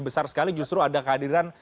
besar sekali justru ada kehadiran